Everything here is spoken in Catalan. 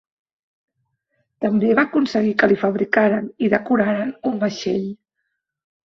També va aconseguir que li fabricaren i decoraren un vaixell.